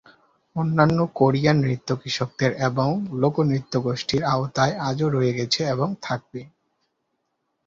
অন্যান্য কোরিয়ান নৃত্য কৃষকদের এবং লোক নৃত্য গোষ্ঠীর আওতায় আজও রয়ে গেছে এবং থাকবে।